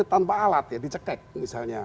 tanpa alat ya dicek misalnya